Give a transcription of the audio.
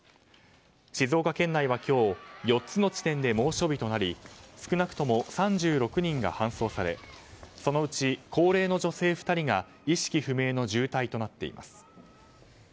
静岡県内は今日４つの地点で猛暑日となり少なくとも３６人が搬送されそのうち高齢の女性２人が意識不明の重体となっています。